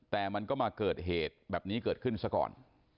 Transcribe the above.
แต่มันก็มาเกิดเหตุแบบนี้เกิดขึ้นซะก่อน